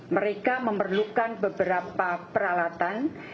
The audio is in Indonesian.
mereka memerlukan beberapa peralatan